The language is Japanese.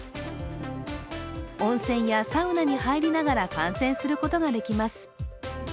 温泉やサウナに入りながら観戦することができます。